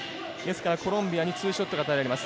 コロンビアにツーショットが与えられます。